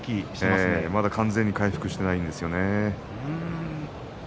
まだ、完全に回復していないんですね。